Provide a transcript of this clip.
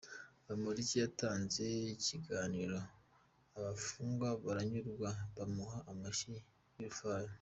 Bamporiki yatanze ikiganiro abafungwa baranyurwa bamuha amashyi y’urufaya.